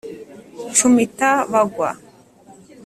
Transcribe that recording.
Nshumita bagwa,